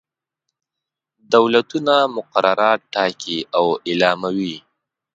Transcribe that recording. دولتونه مقررات ټاکي او اعلاموي.